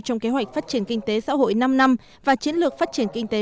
trong kế hoạch phát triển kinh tế xã hội năm năm và chiến lược phát triển kinh tế